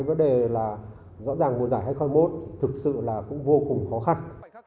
và rõ ràng mùa giải hai nghìn hai mươi một thực sự là cũng vô cùng khó khăn